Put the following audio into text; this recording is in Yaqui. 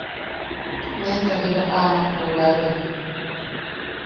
Nento jiba amak weweaman.